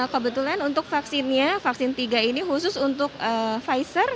kebetulan untuk vaksinnya vaksin tiga ini khusus untuk pfizer